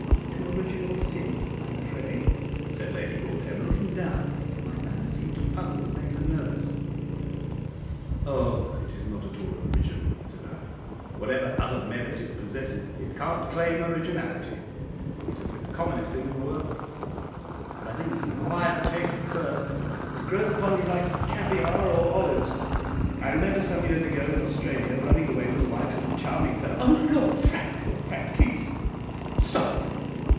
"To original sin, I am afraid," said Lady Broadhem, looking down, for my manner seemed to puzzle, and make her nervous. "Oh, it is not at all 'original,'" said I. "Whatever other merit it possesses, it can't claim originality it is the commonest thing in the world; but I think it is an acquired taste at first it grows upon you like caviar or olives. I remember some years ago, in Australia, running away with the wife of a charming fellow " "Oh, Lord Frank, Lord Frank, please stop!